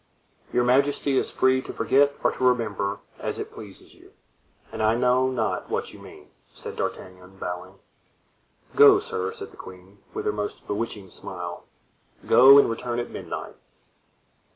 "Your majesty is free to forget or to remember, as it pleases you; and I know not what you mean," said D'Artagnan, bowing. "Go, sir," said the queen, with her most bewitching smile, "go and return at midnight."